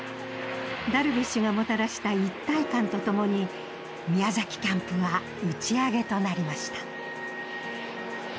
ダルビッシュがもたらした一体感とともに宮崎キャンプは打ち上げとなりました。